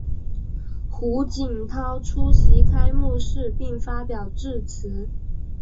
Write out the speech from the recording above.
胡锦涛出席开幕式并发表致辞。